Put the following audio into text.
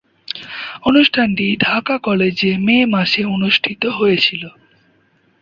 অনুষ্ঠানটি ঢাকা কলেজে মে মাসে অনুষ্ঠিত হয়েছিলো।